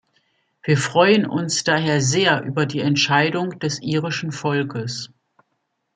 Wir freuen uns daher sehr über die Entscheidung des irischen Volkes.